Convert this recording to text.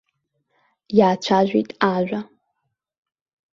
Иаацәажәеит ажәа.